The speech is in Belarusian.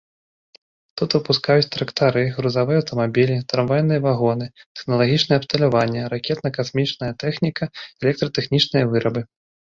Тут выпускаюць трактары, грузавыя аўтамабілі, трамвайныя вагоны, тэхналагічнае абсталяванне, ракетна-касмічная тэхніка, электратэхнічныя вырабы.